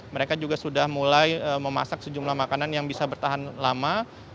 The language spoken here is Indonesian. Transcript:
mereka juga sudah mulai memasak sejumlah makanan yang bisa bertahan lama